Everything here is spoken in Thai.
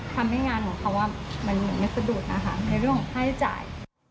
ทำให้งานกับเขาใหม่จะสะดุดนะคะในเรื่องไฟจ่าย